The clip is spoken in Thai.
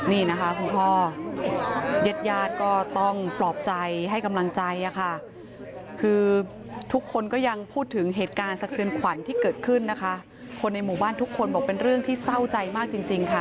นี่นะคะคุณพ่อเย็ดญาติก็ต้องปลอบใจให้กำลังใจค่ะคือทุกคนก็ยังพูดถึงเหตุการณ์สะเทือนขวัญที่เกิดขึ้นนะคะคนในหมู่บ้านทุกคนบอกเป็นเรื่องที่เศร้าใจมากจริงค่ะ